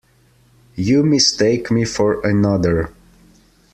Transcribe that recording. You mistake me for another.